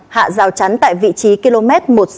hạ rào chắn tại vị trí km một mươi một